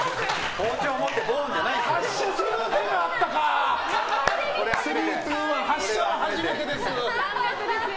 包丁持ってドーンじゃないですよ。